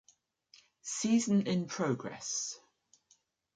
Season in progress.